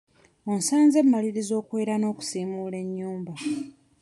Onsanze mmalirizza okwera n'okusiimuula ennyumba.